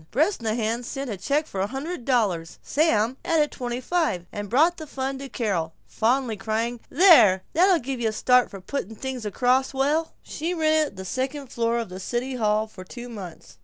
Bresnahan sent a check for a hundred dollars; Sam added twenty five and brought the fund to Carol, fondly crying, "There! That'll give you a start for putting the thing across swell!" She rented the second floor of the city hall for two months.